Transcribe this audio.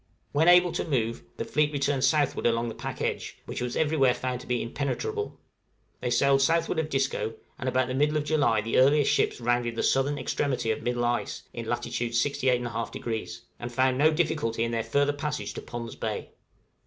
When able to move, the fleet returned southward along the "pack edge," which was everywhere found to be impenetrable; they sailed southward of Disco, and about the middle of July the earliest ships rounded the southern extremity of middle ice in lat. 68 1/2°, and found no difficulty in their further passage to Pond's Bay.